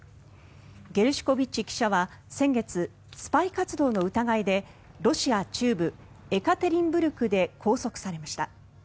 ゲルシュコビッチ記者は先月スパイ活動の疑いでロシア中部エカテリンブルクで拘束されました。